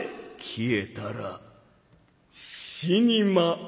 「消えたら死にま」。